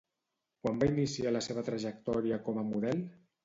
Quan va iniciar la seva trajectòria com a model?